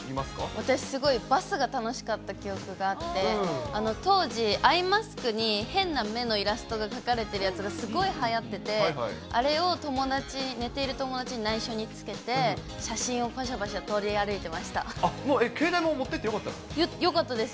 私、すごいバスが楽しかった記憶があって、当時、アイマスクに変な目のイラストが描かれてるやつがすごいはやってて、あれを友達、寝ている友達にないしょにつけて、写真をぱしゃぱしゃ撮り歩いてまあっ、もう携帯も持っていっよかったです。